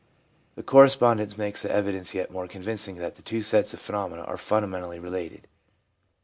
This correspondence makes the evidence yet more convincing that the two sets of phenomena are fundamentally related.